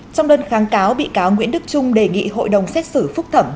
trong đơn kháng cáo bị cáo nguyễn đức trung đề nghị hội đồng xét xử phúc thẩm